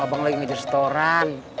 abang lagi ngejar setoran